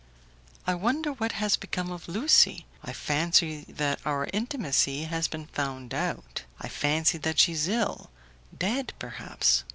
I wonder what has become of Lucie; I fancy that our intimacy has been found out, I fancy that she is ill dead, perhaps.